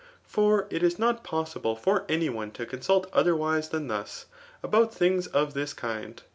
For it is not possible for any Me>td cohfiufit otherwise than thus [about tUn^s of Ais Idttd.